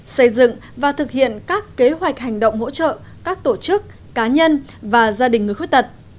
xây dựng và thực hiện các kế hoạch hành động hỗ trợ các tổ chức cá nhân và gia đình người khuyết tật